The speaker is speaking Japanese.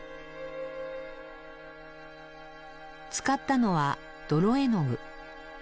使ったのは泥絵の具。